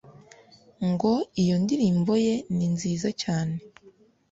ngo iyo ndirimbo ye ni nziza cyane